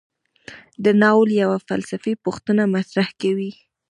دا ناول یوه فلسفي پوښتنه مطرح کوي.